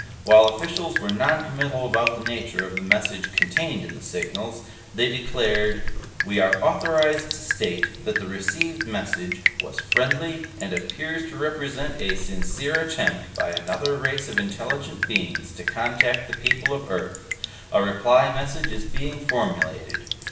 While officials were noncommittal about the nature of the message contained in the signals, they declared, 'We are authorized to state that the received message was friendly and appears to represent a sincere attempt by another race of intelligent beings to contact the people of Earth. A reply message is being formulated.'